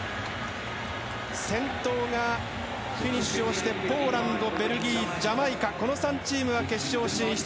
先頭がフィニッシュをしてポーランドベルギー、ジャマイカこの３チームが決勝進出。